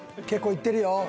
結構いってるよ。